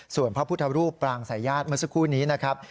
ส่วนพระพุทธรูปปรางสายญาติเมื่อสักครู่นี้นะครับ